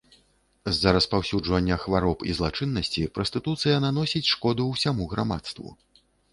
З-за распаўсюджвання хвароб і злачыннасці прастытуцыя наносіць шкоду ўсяму грамадству.